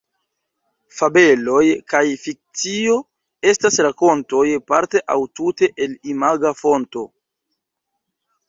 Fabeloj kaj fikcio estas rakontoj parte aŭ tute el imaga fonto.